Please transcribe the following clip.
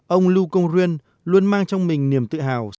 ông lưu công ruyên luôn mang trong mình niềm tự hào